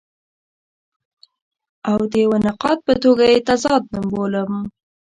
او د یوه نقاد په توګه یې تضاد نه بولم.